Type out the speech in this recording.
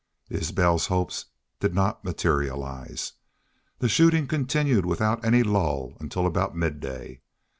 Isbel's hopes did not materialize. The shooting continued without any lull until about midday.